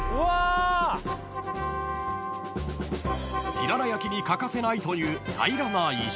［ひらら焼きに欠かせないという平らな石］